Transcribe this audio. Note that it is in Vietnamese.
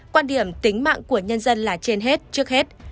quan điểm tính mạng của nhân dân là trên hết trước hết